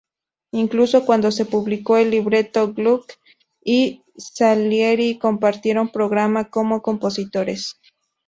Incluso cuando se publicó el libreto, Gluck y Salieri compartieron programa como compositores.